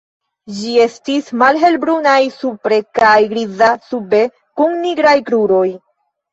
Ĝi estis malhelbrunaj supre kaj griza sube kun nigraj kruroj.